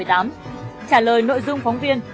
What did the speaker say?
trả lời nội dung phóng viên